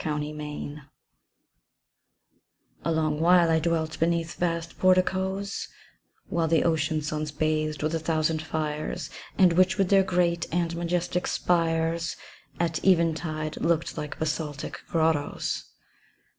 Interior Life A long while I dwelt beneath vast porticoes, While the ocean suns bathed with a thousand fires, And which with their great and majestic spires, At eventide looked like basaltic grottoes.